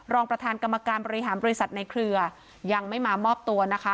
รองประธานกรรมการบริหารบริษัทในเครือยังไม่มามอบตัวนะคะ